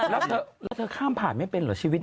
แล้วเธอข้ามผ่านไม่เป็นเหรอชีวิต